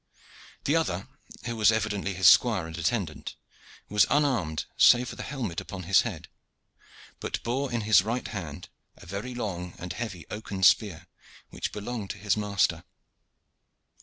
The other, who was evidently his squire and attendant, was unarmed save for the helmet upon his head, but bore in his right hand a very long and heavy oaken spear which belonged to his master.